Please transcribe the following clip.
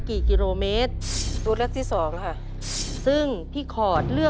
ตัวเล็บที่สองค่ะ